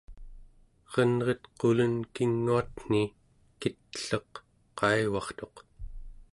erenret qulen kinguatni kit'elleq qaivartuq